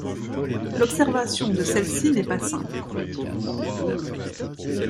L'observation de celle-ci n'est pas simple.